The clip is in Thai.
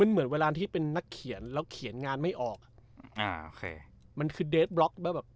เหมือนเวลาที่เป็นนักเขียนแล้วเขียนงานไม่ออกอ่ะอ่าโอเคมันคือเดสบล็อกแล้วแบบ